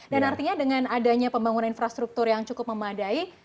dan artinya dengan adanya pembangunan infrastruktur yang cukup memadai